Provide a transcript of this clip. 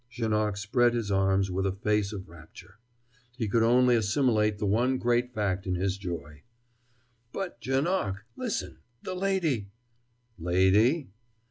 Janoc spread his arms with a face of rapture. He could only assimilate the one great fact in his joy. "But Janoc listen the lady " "Lady?"